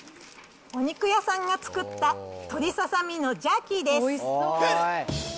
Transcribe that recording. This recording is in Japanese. お肉屋さんが作った鶏ササミのジャーキーです。